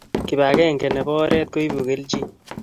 Kibakeng nebo oret koibu keljin